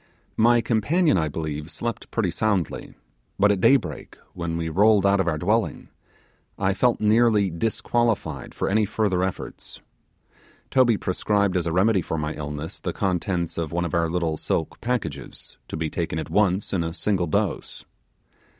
My companion, I believe, slept pretty soundly; but at day break, when we rolled out of our dwelling, I felt nearly disqualified for any further efforts. Toby prescribed as a remedy for my illness the contents of one of our little silk packages, to be taken at once in a single dose.